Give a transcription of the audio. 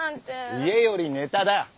家よりネタだッ。